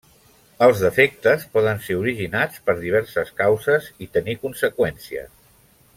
Els defectes poden ser originats per diverses causes i tenir conseqüències.